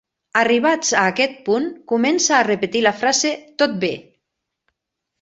Arribats a aquest punt, comença a repetir la frase "tot bé".